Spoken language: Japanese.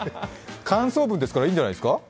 感想文ですからいいんじゃないですか。